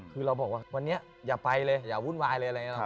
คือเราบอกว่าวันนี้อย่าไปเลยอย่าวุ่นวายเลยอะไรอย่างนี้